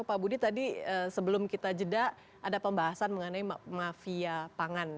pak budi tadi sebelum kita jeda ada pembahasan mengenai mafia pangan